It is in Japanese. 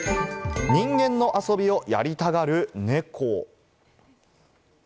人間の遊びをやりたがるネコ。